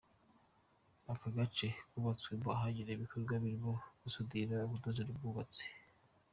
Aka gace kubatswemo ahagenewe ibikowa birimo gusudira, ubudozi n’ubwubatsi.